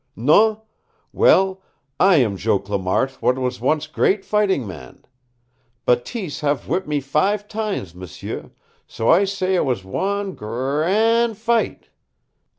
Non? Well, I am Joe Clamart what was once great fightin' man. Bateese hav' whip' me five times, m'sieu so I say it was wan gr r r a n' fight!